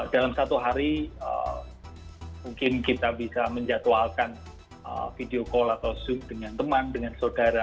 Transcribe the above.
dalam satu hari mungkin kita bisa menjatuhalkan video call atau zoom dengan teman dengan saudara